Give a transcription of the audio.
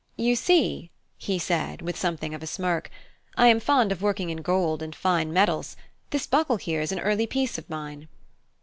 You see," he said, with something of a smirk, "I am fond of working in gold and fine metals; this buckle here is an early piece of mine."